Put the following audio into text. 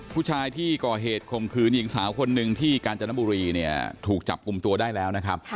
ผู้ชายที่ก่อเหตุคมคืนหญิงสาวคนหนึ่งที่กาญจนบุรีเนี่ยถูกจับกลุ่มตัวได้แล้วนะครับ